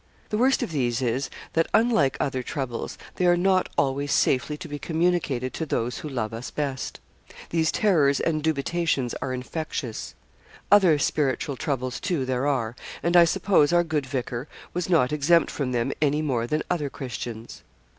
The worst of these is, that unlike other troubles, they are not always safely to be communicated to those who love us best. These terrors and dubitations are infectious. Other spiritual troubles, too, there are; and I suppose our good vicar was not exempt from them any more than other Christians.